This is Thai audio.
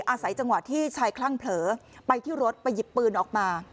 อาศัยจังหวะที่ชายคลั่งเผลอไปที่รถไปหยิบปืนออกมา